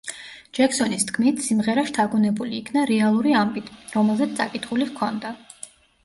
ჯექსონის თქმით, სიმღერა შთაგონებული იქნა რეალური ამბით, რომელზეც წაკითხული ჰქონდა.